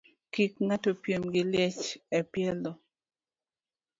Kik ng'ato piem gi liech e pielo.